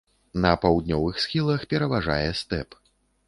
На паўднёвых схілах пераважае стэп.